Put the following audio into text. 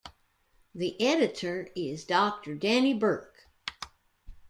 The editor is Doctor Denny Burk.